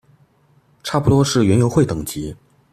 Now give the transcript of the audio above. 差不多是園遊會等級